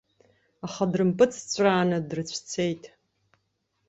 Аха дрымпыҵҵәрааны дрыцәцеит.